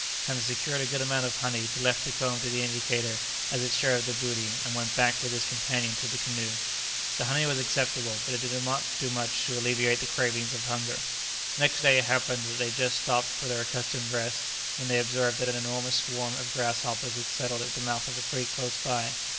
Having secured a good amount of honey, he left the comb to the indicator as its share of the booty, and went back with his companion to the canoe. The honey was acceptable, but it did not do much to alleviate the cravings of hunger. Next day it happened that they had just stopped for their accustomed rest, when they observed that an enormous swarm of grasshoppers had settled at the mouth of a creek close by.